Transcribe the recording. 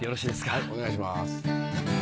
はいお願いします。